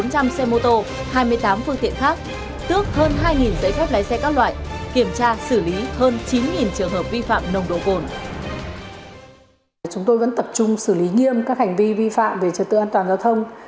chúng tôi vẫn tập trung xử lý nghiêm các hành vi vi phạm về trật tự an toàn giao thông